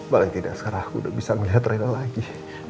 malah tidak sekarang aku udah bisa ngeliat rena lagi